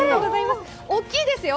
大きいですよ。